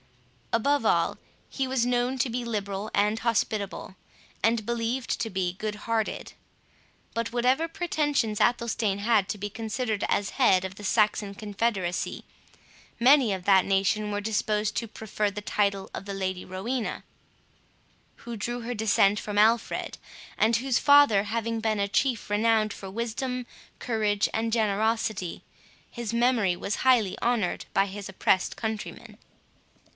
Above all, he was known to be liberal and hospitable, and believed to be good natured. But whatever pretensions Athelstane had to be considered as head of the Saxon confederacy, many of that nation were disposed to prefer to the title of the Lady Rowena, who drew her descent from Alfred, and whose father having been a chief renowned for wisdom, courage, and generosity, his memory was highly honoured by his oppressed countrymen.